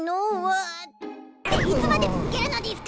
っていつまで続けるのでぃすか！